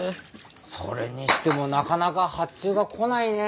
それにしてもなかなか発注が来ないね。